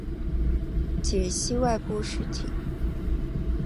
解析外部实体。